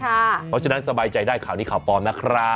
เพราะฉะนั้นสบายใจได้ข่าวนี้ข่าวปลอมนะครับ